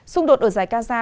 xung đột ở giải gaza